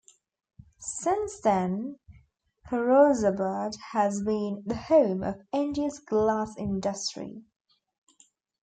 Since then Firozabad has been the home of India's glass industry.